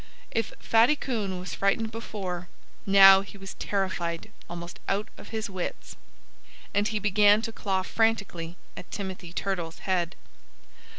If Fatty Coon was frightened before, now he was terrified almost out of his wits. And he began to claw frantically at Timothy Turtle's head.